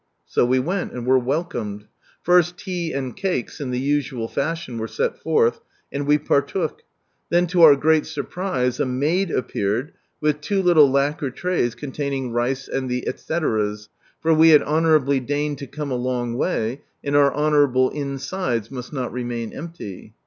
So we went, and were welcomed. First tea and cakes, in the usual fashion, were set forth, and we partook ; then, to our great surprise, a maid appeared with two little lacquer trays containing rice and the &cs., " for we had honourabty deigned to come a long way, and our honourable tnsides must not remain empty."